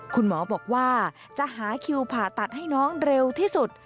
คุณหมอบอกว่าจะหาคิวผ่าตัดให้น้องเร็วที่สุด